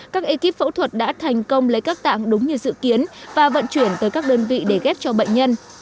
các ekip phẫu thuật đã thành công lấy các tạng đúng như dự kiến và vận chuyển tới các đơn vị để ghép cho bệnh nhân